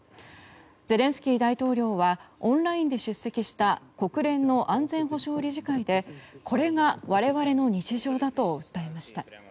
ゼレンスキー大統領はオンラインで出席した国連の安全保障理事会でこれが我々の日常だと訴えました。